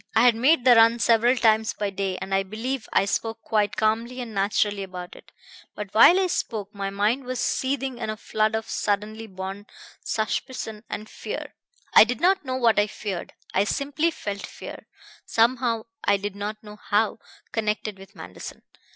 I had made the run several times by day, and I believe I spoke quite calmly and naturally about it. But while I spoke my mind was seething in a flood of suddenly born suspicion and fear. I did not know what I feared. I simply felt fear, somehow I did not know how connected with Manderson.